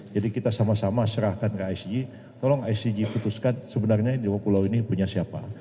jadi kita sama sama serahkan ke icg tolong icg putuskan sebenarnya dua pulau ini punya siapa